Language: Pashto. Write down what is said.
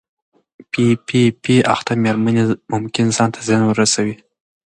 پی پي پي اخته مېرمنې ممکن ځان ته زیان ورسوي.